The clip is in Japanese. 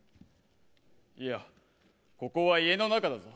いや、ここは家の中だぞ。